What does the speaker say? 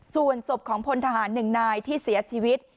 ส่วนสบของพลทหาร๑นายที่เสียชีวิต